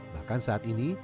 bahkan saat ini